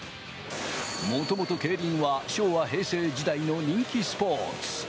もともと競輪は昭和・平成時代の人気スポーツ。